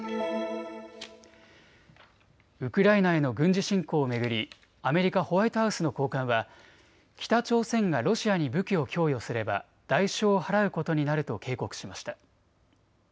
ウクライナへの軍事侵攻を巡りアメリカ・ホワイトハウスの高官は北朝鮮がロシアに武器を供与すれば代償を払うことになると警告しました。